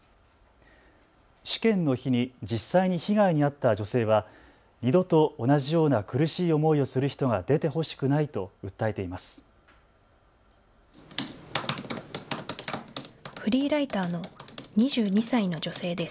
試験の日に実際に被害に遭った女性は二度と同じような苦しい思いをする人が出てほしくないと訴えています。